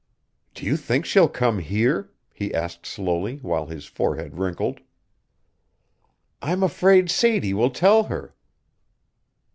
"Do you think she'll come here?" he asked slowly, while his forehead wrinkled. "I am afraid Sadie will tell her!"